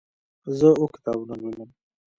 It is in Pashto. زه اووه کتابونه لولم.